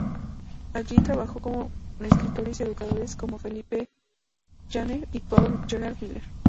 Allí trabajó con escritores y educadores como Felipe Janer y Paul Gerard Miller.